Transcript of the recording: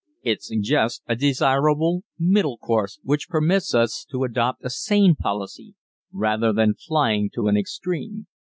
It suggests a desirable middle course which permits us to adopt a sane policy, rather than flying to an extreme.